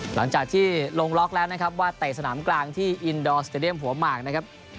หลังจากที่ลงล็อกแล้วนะครับว่าเตะสนามกลางที่อินดอร์สเตรียมหัวหมากนะครับ